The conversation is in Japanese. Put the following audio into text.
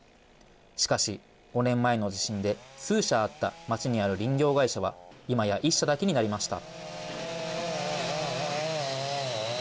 しかし、５年前の地震で数社あった町にある林業会社は、今や１社だけになりました。